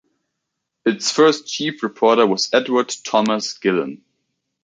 Its first chief reporter was Edward Thomas Gillon.